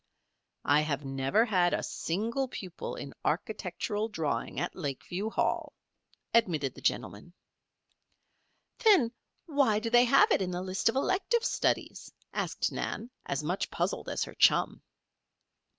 "I have never had a single pupil in architectural drawing at Lakeview Hall," admitted the gentleman. "Then why do they have it in the list of elective studies?" asked Nan, as much puzzled as her chum.